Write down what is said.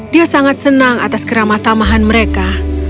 dia sangat senang atas keramatamahan mereka